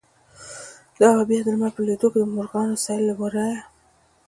“دا به بیا په لمر لویدو کی، د مرغانو سیل له ورایه